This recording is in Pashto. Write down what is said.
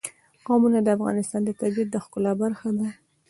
قومونه د افغانستان د طبیعت د ښکلا برخه ده.